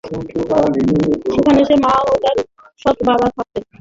সেখানে তার মা ও তার সৎ বাবা থাকতেন।